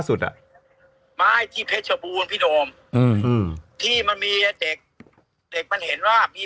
สุดอ่ะไม้ที่เพชรบูรณพี่โดมอืมที่มันมีเด็กเด็กมันเห็นว่ามี